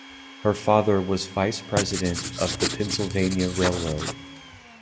Her father was vice president of the Pennsylvania Railroad.